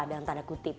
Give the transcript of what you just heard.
dalam tanda kutip